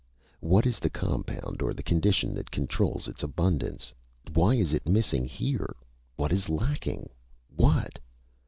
What is the compound or the condition that controls its abundance? Why is it missing here? What is lacking? What?"